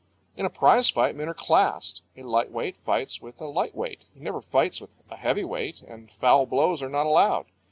In a prize fight men are classed. A lightweight fights with a light weight; he never fights with a heavy weight, and foul blows are not allowed.